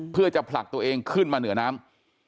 เพื่อจะผลักตัวเองขึ้นมาเหนือน้ำ